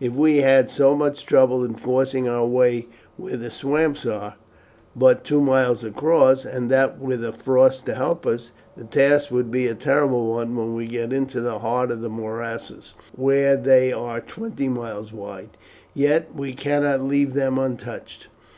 If we have had so much trouble in forcing our way where the swamps are but two miles across, and that with a frost to help us, the task will be a terrible one when we get into the heart of the morasses, where they are twenty miles wide. Yet we cannot leave them untouched.